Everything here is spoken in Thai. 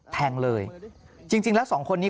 แทงเลยจริงแล้วสองคนนี้